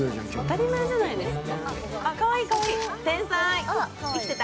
当たり前じゃないですか。